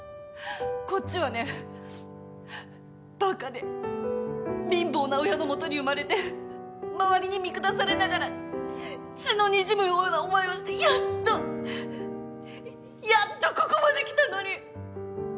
こっちはねバカで貧乏な親のもとに生まれて周りに見下されながら血のにじむような思いをしてやっとやっとここまで来たのに。